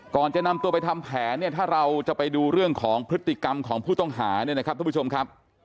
ก่อนจะนำตัวไปทำแผนเนี่ยถ้าเราจะไปดูเรื่องของพฤติกรรมของผู้ต้องหาเนี่ยนะครับทุกผู้ชมครับ